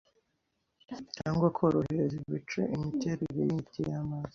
cyangwa korohereza ibice imiterere yimiti yamazi